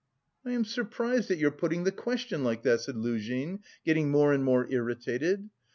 "I am surprised at your putting the question like that," said Luzhin, getting more and more irritated.